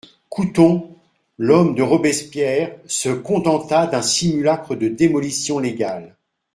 Couthon, l'homme de Robespierre, se contenta d'un simulacre de démolition légale.